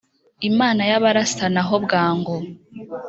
Imana yabarasana ho bwangu